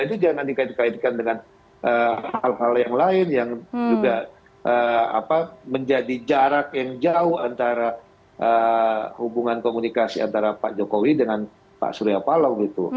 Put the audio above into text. ini tidak dikaitkan dengan hal hal yang lain yang juga menjadi jarak yang jauh antara hubungan komunikasi antara pak jokowi dengan pak surya palau